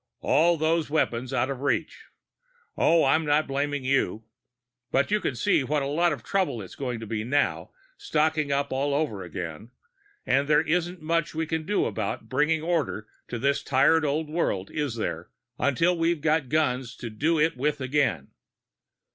"All those weapons, out of reach! Oh, I'm not blaming you. But you can see what a lot of trouble it's going to be now, stocking up all over again and there isn't much we can do about bringing order to this tired old world, is there, until we've got the guns to do it with again?"